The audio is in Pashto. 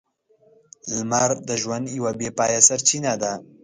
لمر د ژوند یوه بې پايه سرچینه ده.